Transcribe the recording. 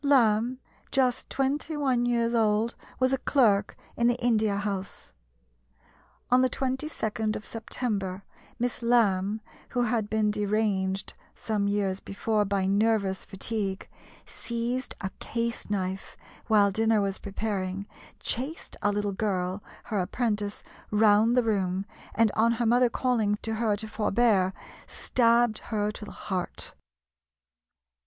Lamb, just twenty one years old, was a clerk in the India House. On the 22d of September Miss Lamb, who had been deranged some years before by nervous fatigue, seized a case knife while dinner was preparing, chased a little girl, her apprentice, round the room, and on her mother calling to her to forbear, stabbed her to the heart.